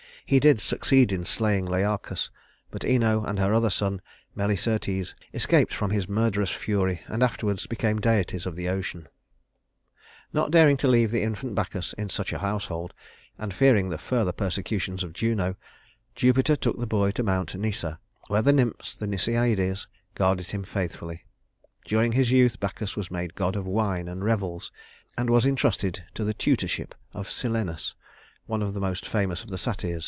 He did succeed in slaying Learchus, but Ino and her other son, Melicertes, escaped from his murderous fury, and afterwards became deities of the ocean. [Illustration: Faun] Not daring to leave the infant Bacchus in such a household, and fearing the further persecutions of Juno, Jupiter took the boy to Mount Nysa, where the nymphs the Nysiades guarded him faithfully. During his youth, Bacchus was made god of wine and revels, and was intrusted to the tutorship of Silenus, one of the most famous of the satyrs.